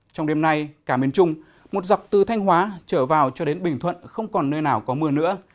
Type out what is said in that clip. trong đêm nay cả miền trung một dọc từ thanh hóa trở vào cho đến bình thuận không còn nơi nào có mưa nữa